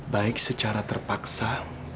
baik secara terpaksa